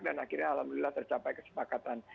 dan akhirnya alhamdulillah tercapai kesepakatan